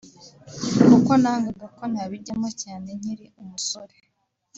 kuko nangaga ko nabijyamo cyane nkiri umusore